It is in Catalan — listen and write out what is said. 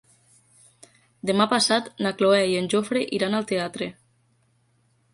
Demà passat na Cloè i en Jofre iran al teatre.